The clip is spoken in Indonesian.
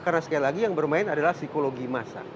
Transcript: karena sekali lagi yang bermain adalah psikologi masa